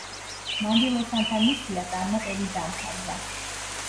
მანდილოსანთა მისია წარმატებით დამთავრდა.